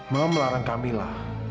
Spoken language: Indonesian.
mama melarang kamila